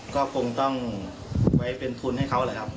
ก็คงต้องไว้เป็นทุนให้เขาแหละครับ